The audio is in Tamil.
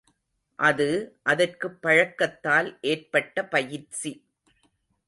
அது, அதற்குப் பழக்கத்தால் ஏற்பட்ட பயிற்சி.